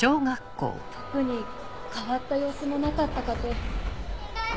特に変わった様子もなかったかと。